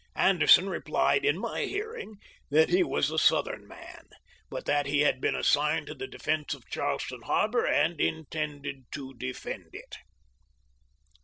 Anderson replied in my hearing that he was a Southern man, but that he had been assigned to the defense of Charleston Harbor, and intended to defend it.